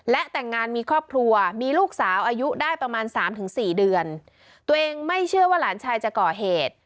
และแต่งงานมีครอบครัวมีลูกสาวอายุได้ประมาณสามถึงสี่เดือนตัวเองไม่เชื่อว่าหลานชายจะก่อเหตุ